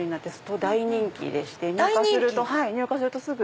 大人気でして入荷するとすぐ。